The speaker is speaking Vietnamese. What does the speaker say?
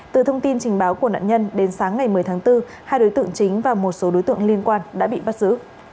từ thông tin trình báo của nạn nhân đến sáng ngày một mươi tháng bốn hai đối tượng chính và một số đối tượng liên quan đã bị bắt giữ